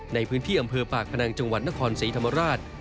ในพื้นที่อำเภอปากพนังจังหวัดนครศรีธรรมราช